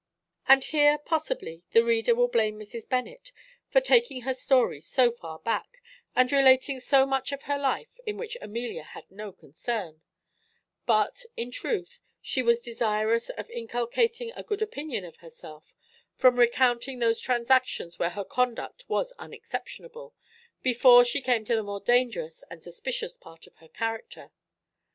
And here possibly the reader will blame Mrs. Bennet for taking her story so far back, and relating so much of her life in which Amelia had no concern; but, in truth, she was desirous of inculcating a good opinion of herself, from recounting those transactions where her conduct was unexceptionable, before she came to the more dangerous and suspicious part of her character.